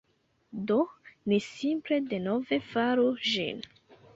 Do, ni simple denove faru ĝin